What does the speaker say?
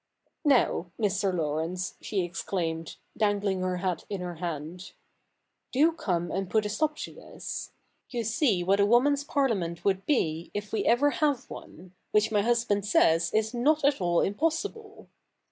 'Now, Mr. Laurence," she exclaimed, dangling her hat in her hand, ' do come and put a stop to this. You see what a woman's parliament would be if we ever have one, which my husband says is not at all impossible.